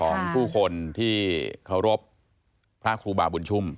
ของผู้คนที่เคารพพระครูบาบุญชุ่ม